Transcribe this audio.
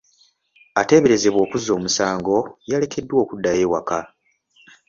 Ateeberezebwa okuzza omusango yalekeddwa okuddayo ewaka.